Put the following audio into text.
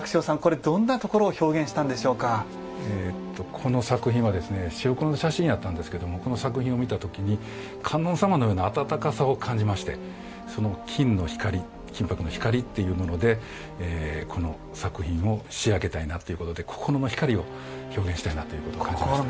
この作品はですね白黒の写真やったんですけどもこの作品を見た時に観音様のような温かさを感じましてその金の光金箔の光っていうものでこの作品を仕上げたいなっていうことで「心の光」を表現したいなということを感じました。